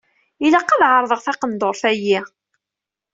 Ilaq ad ɛerḍeɣ taqendurt-ayi.